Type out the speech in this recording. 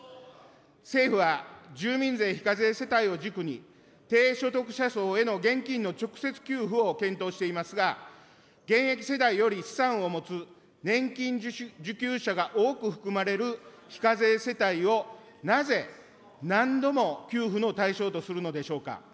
政府は、住民税非課税世帯を軸に、低所得者層への現金の直接給付を検討していますが、現役世代より資産を持つ年金受給者が多く含まれる非課税世帯をなぜ、何度も給付の対象とするのでしょうか。